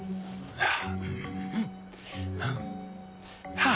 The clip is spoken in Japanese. はあ！